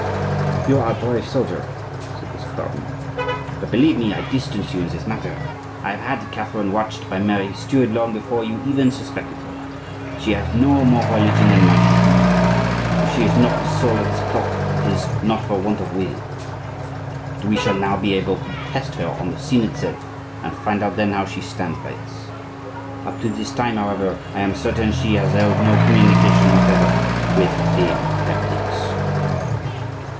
"You are a brave soldier," said the cardinal; "but, believe me, I distance you in this matter. I have had Catherine watched by Mary Stuart long before you even suspected her. She has no more religion than my shoe; if she is not the soul of this plot it is not for want of will. But we shall now be able to test her on the scene itself, and find out then how she stands by us. Up to this time, however, I am certain she has held no communication whatever with the heretics."